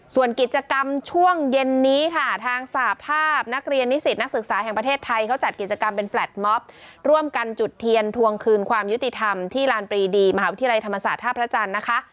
ส่วนกิจกรรมช่วงเย็นนี้ค่ะทางสาภาพนักเรียนนิสิตนักศึกษาแห่งประเทศไทยเขาจัดกิจกรรมเป็นแลตมอบร่วมกันจุดเทียนทวงคืนความยุติธรรมที่ลานปรีดีมหาวิทยาลัยธรรมศาสตร์ท่าพระจันทร์นะคะ